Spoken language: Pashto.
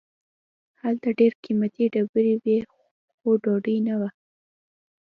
هلته ډیر قیمتي ډبرې وې خو ډوډۍ نه وه.